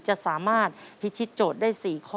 จะสามารถพิธีโจทย์ได้๔ข้อ